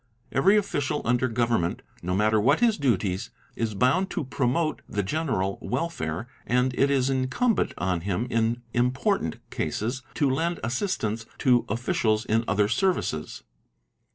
Every official under govern ~ ment, no matter what his duties, is bound to promote the general welfare and it is incumbent on him in important cases to lend assistance to officials in other services.